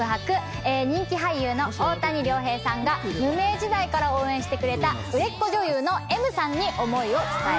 人気俳優の大谷亮平さんが無名時代から応援してくれた売れっ子女優のＭさんに思いを伝えます。